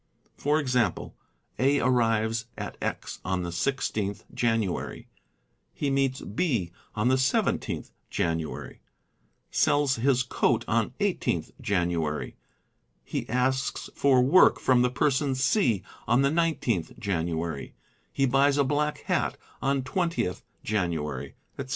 For example; A arrives at X on the 16th January, he meets B on the 17th ~ January, sells his coat on 18th January, he asks for work from the person C on the 19th January, he buys a black hat on 20th January, etc.